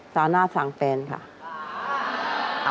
สาวหน้าสั่งแฟนค่ะ